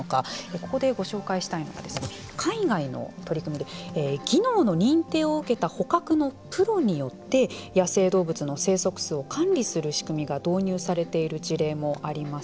ここでご紹介したいのが海外の取り組みで技能の認定を受けた捕獲のプロによって野生動物の生息数を管理する仕組みが導入されている事例もあります。